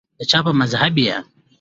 دچا په مذهب یی